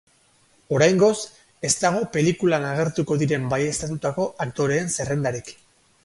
Oraingoz, ez dago pelikulan agertuko diren baieztatutako aktoreen zerrendarik.